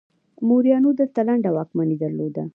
موریانو دلته لنډه واکمني درلوده